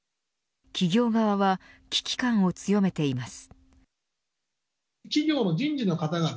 企業側は危機感を強めています。